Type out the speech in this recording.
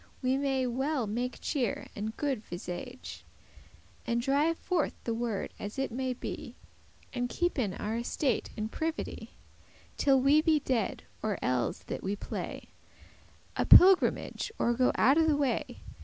We may well make cheer and good visage, And drive forth the world as it may be, And keepen our estate in privity, Till we be dead, or elles that we play A pilgrimage, or go out of the way.